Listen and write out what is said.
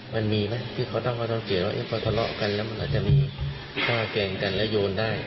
มันมีไหมที่เขาต้องเข้าใจว่าพอทะเลาะกันมันอาจจะมีภาพแกงกันและโยนได้